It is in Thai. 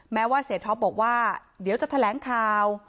แม้ว่าเสียท็อปบอกว่าเดี๋ยวจะแถลงข่าว